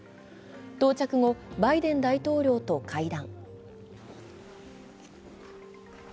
到着後、バイデン大統領と会談。